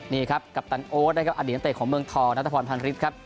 นี่ครับกัปตันโอ๊ตนะครับอดีตนักเตะของเมืองทองนัทพรพันฤทธิ์ครับ